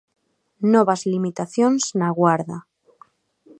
Novas limitacións na Guarda.